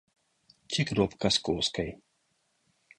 Ці кропка з коскай.